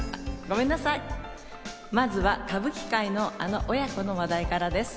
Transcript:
まずは歌舞伎界のあの親子の話題からです。